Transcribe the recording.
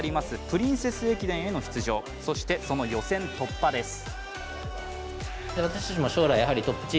プリンセス駅伝への出場そしてその予選突破です。